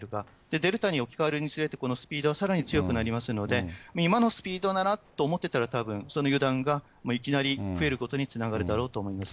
デルタに置き換わるにつれて、このスピードはさらに強くなりますので、今のスピードならと思ってたらたぶん、その油断がいきなり増えることにつながるだろうと思います。